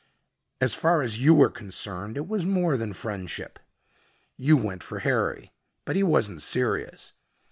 "As far as you were concerned, it was more than friendship. You went for Harry. But he wasn't serious.